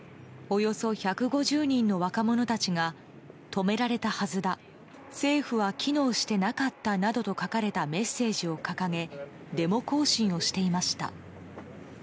およそ１５０人の若者たちが止められたはずだ政府は機能してなかったなどと書かれたメッセージを掲げデモ行進をしていました。